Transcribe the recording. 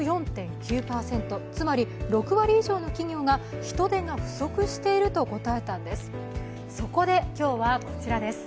６４．９％、つまり６割以上の企業が人手が不足していると答えたんです。